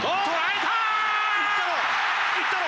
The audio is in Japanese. いったろ！